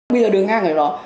bây giờ đường ngang này đó